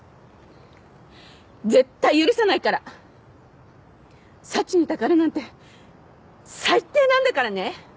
絶対許さないからサチにたかるなんて最低なんだからね